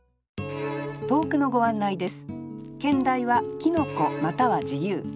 投句のご案内です